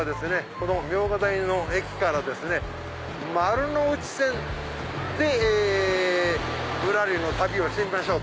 この茗荷谷の駅から丸ノ内線で『ぶらり』の旅をしてみましょう。